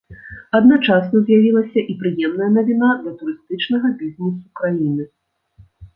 Адначасна з'явілася і прыемная навіна для турыстычнага бізнесу краіны.